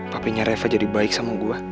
papinya reva jadi baik sama gua